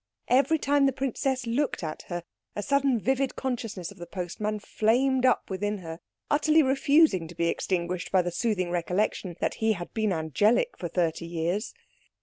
Every time the princess looked at her, a sudden vivid consciousness of the postman flamed up within her, utterly refusing to be extinguished by the soothing recollection that he had been angelic for thirty years.